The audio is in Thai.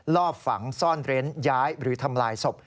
รอบฝังซ่อนเร้นย้ายหรือทำลายศพ